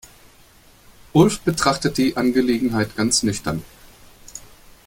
Ulf betrachtet die Angelegenheit ganz nüchtern.